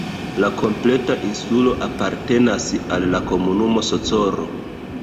La kompleta insulo apartenas al la komunumo Socorro.